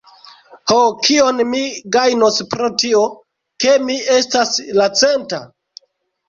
Ho, kion mi gajnos pro tio, ke mi estas la centa?